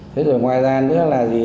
thế rồi ngoài ra nữa là gì